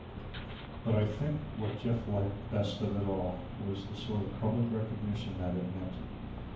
But I think what Jeff liked best of it all was the sort of public recognition that it meant.